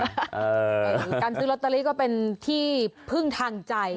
การซื้อลอตเตอรี่ก็เป็นที่พึ่งทางใจ